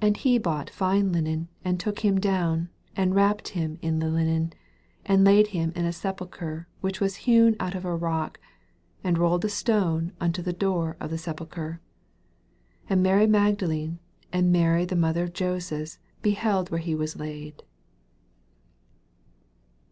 46 And he bought fine linen, aud took him down, and wrapped him in the linen, and Jaid him in a sepulchre which was hewn out of a rock, and rolled a stone unto the door of the sepulchre. 47 And Mary Magdalene and Mary (he mother of Joses beheld where he was laid.